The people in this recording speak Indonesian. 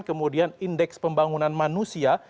kemudian indeks pembangunan manusia